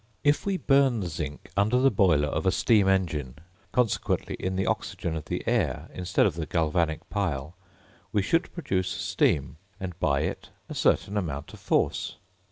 If we burn the zinc under the boiler of a steam engine, consequently in the oxygen of the air instead of the galvanic pile, we should produce steam, and by it a certain amount of force.